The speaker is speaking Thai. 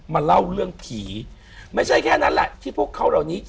มาเล่าเรื่องผีไม่ใช่แค่นั้นแหละที่พวกเขาเหล่านี้